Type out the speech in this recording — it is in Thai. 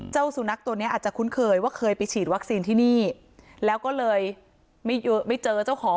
เจ้าสุนัขตัวนี้อาจจะคุ้นเคยว่าเคยไปฉีดวัคซีนที่นี่แล้วก็เลยไม่เจอเจ้าของ